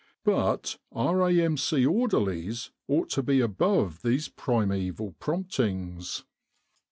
But R.A.M.C. orderlies ought to be above these primeval promptings.